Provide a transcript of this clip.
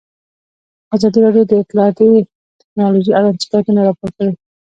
ازادي راډیو د اطلاعاتی تکنالوژي اړوند شکایتونه راپور کړي.